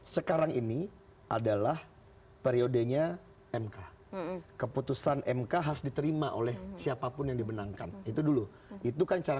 sekarang ini adalah periodenya mk keputusan mk harus diterima oleh siapapun yang dibenarkan itu dulu thus trait